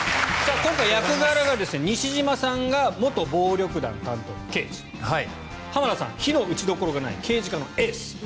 今回役柄が西島さんが元暴力団担当の刑事濱田さん、非の打ちどころがない刑事課のエース。